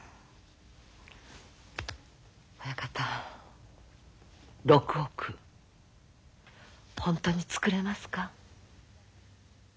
親方６億ホントに作れますか？